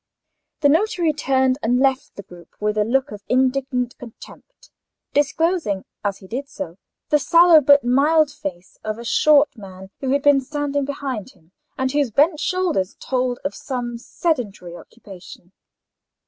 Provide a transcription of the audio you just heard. The notary turned and left the group with a look of indignant contempt, disclosing, as he did so, the sallow but mild face of a short man who had been standing behind him, and whose bent shoulders told of some sedentary occupation.